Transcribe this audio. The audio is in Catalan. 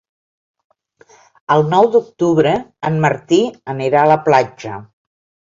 El nou d'octubre en Martí anirà a la platja.